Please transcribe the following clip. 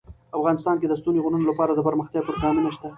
افغانستان کې د ستوني غرونه لپاره دپرمختیا پروګرامونه شته.